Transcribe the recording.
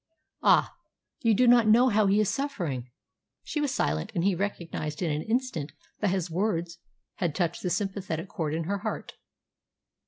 Ah! you do not know how he is suffering." She was silent, and he recognised in an instant that his words had touched the sympathetic chord in her heart.